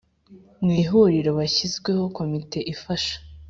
Mu Ihuriro hashyizweho Komite ifasha